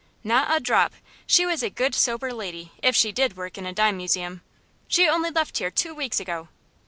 "Not a drop. She was a good, sober lady, if she did work in a dime museum. She only left here two weeks ago.